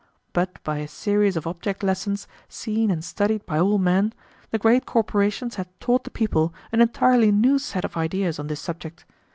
But by a series of object lessons, seen and studied by all men, the great corporations had taught the people an entirely new set of ideas on this subject.